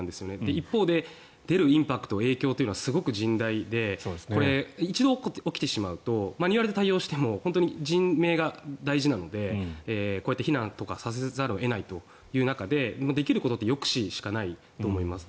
一方で出るインパクト、影響はすごく甚大で一度起きてしまうとマニュアルで対応しても本当に人命が大事なのでこうやって避難とかさせざるを得ないという中でできることって抑止しかないと思います。